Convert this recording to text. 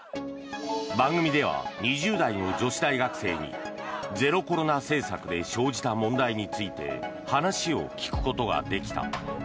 番組では２０代の女性大学生にゼロコロナ政策で生じた問題について話を聞くことができた。